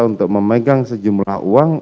untuk memegang sejumlah uang